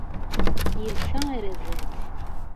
Yelsa arazal.